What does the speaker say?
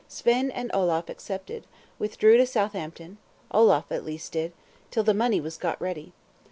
Svein and Olaf accepted; withdrew to Southampton, Olaf at least did, till the money was got ready.